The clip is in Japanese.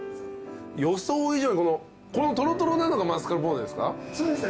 予想以上にこのこのトロトロなのがマスカルポーネですか？